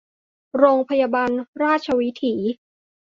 โรงพยาบาลราชวิถี